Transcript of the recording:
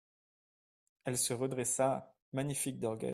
Elle se redressa magnifique d'orgueil.